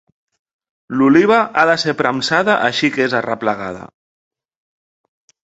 L'oliva ha de ser premsada així que és arreplegada.